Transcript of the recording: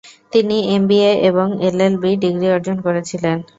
তিনি এমবিএ এবং এলএলবি ডিগ্রি অর্জন করেছিলেন।